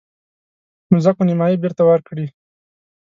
مځکو نیمايي بیرته ورکړي.